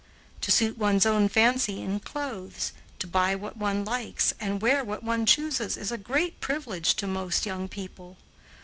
To suit one's own fancy in clothes, to buy what one likes, and wear what one chooses is a great privilege to most young people.